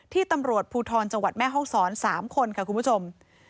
ตำรวจภูทรจังหวัดแม่ห้องศร๓คนค่ะคุณผู้ชม